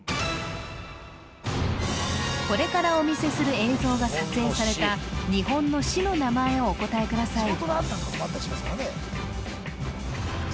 これからお見せする映像が撮影された日本の市の名前をお答えください３００万